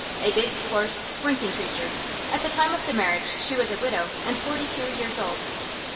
A big, coarse, squinting creature; at the time of the marriage she was a widow and forty two years old.